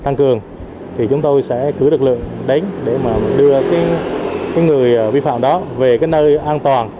tăng cường thì chúng tôi sẽ cử lực lượng đến để mà đưa người vi phạm đó về cái nơi an toàn